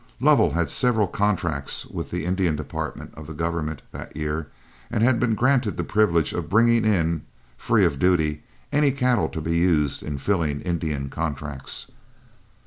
Lovell had several contracts with the Indian Department of the government that year, and had been granted the privilege of bringing in, free of duty, any cattle to be used in filling Indian contracts.